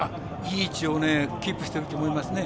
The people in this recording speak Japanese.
いい位置をキープしてると思いますね。